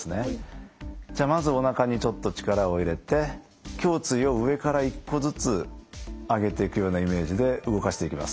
じゃあまずおなかにちょっと力を入れて胸椎を上から一個ずつ上げていくようなイメージで動かしていきます。